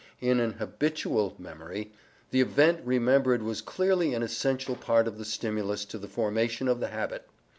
In an habitual memory, the event remembered was clearly an essential part of the stimulus to the formation of the habit.